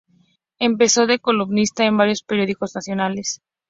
Empezó de columnista en varios periódicos nacionales.